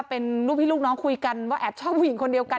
เป็นลูกพี่ลูกน้องคุยกันว่าแอบชอบผู้หญิงคนเดียวกัน